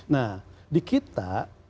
nah di kita